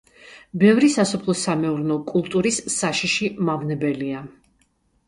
ბევრი სასოფლო-სამეურნეო კულტურის საშიში მავნებელია.